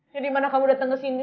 jadi mana kamu datang ke sini